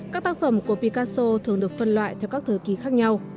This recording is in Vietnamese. các tác phẩm của picaso thường được phân loại theo các thời kỳ khác nhau